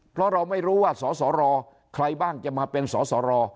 เพราะเราไม่รู้ว่าสสรใครบ้างจะมาเป็นสสร